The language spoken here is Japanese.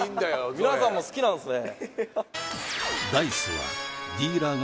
ゾエ皆さんも好きなんすね